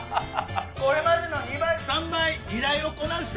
これまでの２倍３倍依頼をこなしてねっ！